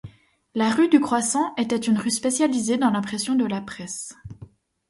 La rue du Croissant était une rue spécialisée dans l'impression de la presse.